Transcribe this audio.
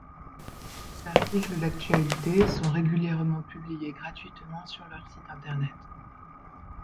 Des articles d'actualité sont régulièrement publiés gratuitement sur leur site internet.